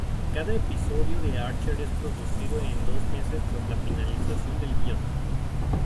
Cada episodio de Archer es producido en dos meses tras la finalización del guion.